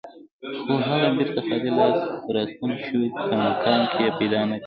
خو هغه بیرته خالي لاس راستون شو، کاګناک یې پیدا نه کړ.